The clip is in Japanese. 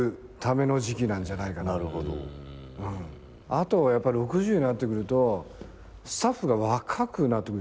あとやっぱ６０になってくるとスタッフが若くなってくるでしょ。